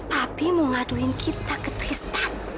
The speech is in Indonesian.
papi mau ngaduin kita ke tristan